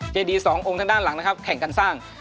เจดีสององค์ทางด้านหลังนะครับแข่งกันสร้าง